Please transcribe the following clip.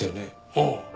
ああ。